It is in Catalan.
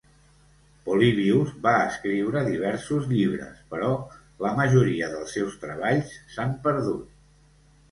Polybius va escriure diversos llibres, però la majoria dels seus treballs s'han perdut.